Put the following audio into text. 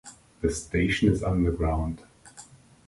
The station is underground.